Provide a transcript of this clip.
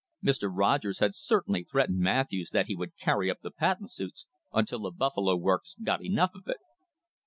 Mr. Rogers had certainly threatened Matthews that he would carry up the patent suits until the Buffalo Works got enough of it.